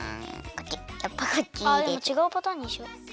あでもちがうパターンにしよ！